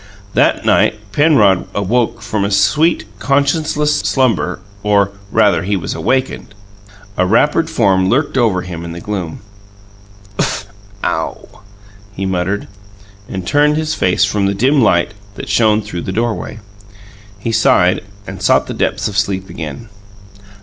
That night Penrod awoke from a sweet, conscienceless slumber or, rather, he was awakened. A wrappered form lurked over him in the gloom. "Uff ow " he muttered, and turned his face from the dim light that shone through the doorway. He sighed and sought the depths of sleep again.